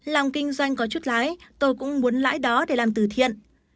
làm kinh doanh có chút lái tôi cũng muốn lãi đó để làm từ thiện